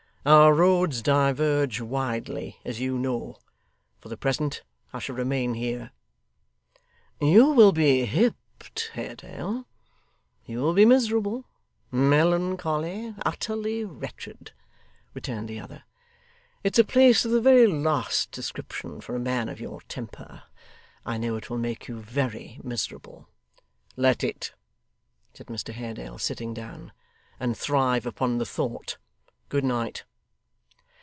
'Our roads diverge widely, as you know. For the present, I shall remain here.' 'You will be hipped, Haredale; you will be miserable, melancholy, utterly wretched,' returned the other. 'It's a place of the very last description for a man of your temper. I know it will make you very miserable.' 'Let it,' said Mr Haredale, sitting down; 'and thrive upon the thought. Good night!